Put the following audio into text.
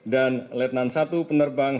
dan letnan satu penerbang